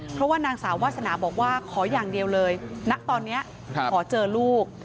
เพราะว่านางสาววาสนาบอกว่าขออย่างเดียวเลยณตอนนี้ขอเจอลูก